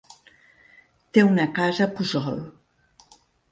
Té una casa a Puçol.